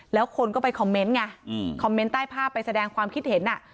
แล้วคนก็ไปคอมเมนต์ไงคอมเมนต์ใต้ภาพไปแสดงความคิดเห็น